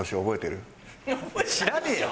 知らねえよ！